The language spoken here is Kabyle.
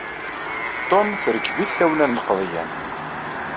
Tum terkeb-it tawla n lqeḍyan.